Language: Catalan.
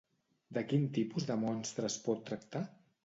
De quin tipus de monstre es pot tractar?